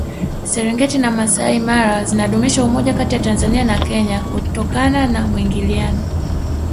serengeti na masai mara zinadumisha umoja Kati tanzania na kenya kutokana na muingiliano